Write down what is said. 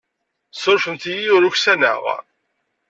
Surfemt-iyi ur uksaneɣ.